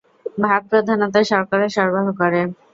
ভাত প্রধানত শর্করা সরবরাহ করে।